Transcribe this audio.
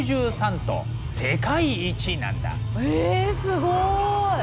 えすごい！